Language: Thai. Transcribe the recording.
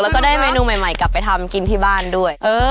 แล้วก็ได้เมนูใหม่กลับไปทำกินที่บ้านด้วย